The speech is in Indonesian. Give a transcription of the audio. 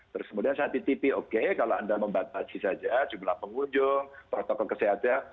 terus kemudian saya titipi oke kalau anda membatasi saja jumlah pengunjung protokol kesehatan